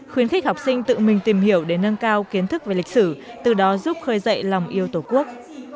khuyến khích học sinh tự mình tìm hiểu để nâng cao kiến thức về lịch sử từ đó giúp khơi dậy lòng yêu tổ quốc